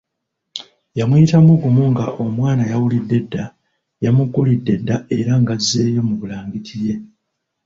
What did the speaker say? Yamuyitamu gumu nga omwana yawulidde dda, yamuggulidde dda era nga azzeeyo mu bulangiti ye.